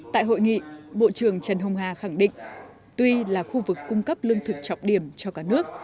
tại hội nghị bộ trưởng trần hồng hà khẳng định tuy là khu vực cung cấp lương thực trọng điểm cho cả nước